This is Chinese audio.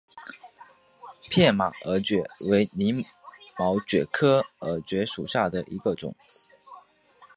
片马耳蕨为鳞毛蕨科耳蕨属下的一个种。